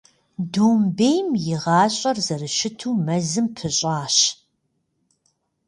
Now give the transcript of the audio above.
Домбейм и гъащӏэр зэрыщыту мэзым пыщӏащ.